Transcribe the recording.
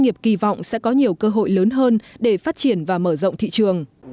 nghiệp kỳ vọng sẽ có nhiều cơ hội lớn hơn để phát triển và mở rộng thị trường